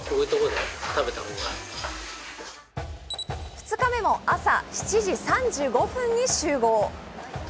２日目も朝７時３５分に集合。